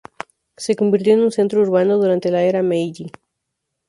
Se convirtió en un centro urbano durante la Era Meiji.